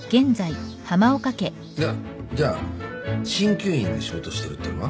じゃっじゃあ鍼灸院で仕事してるっていうのは？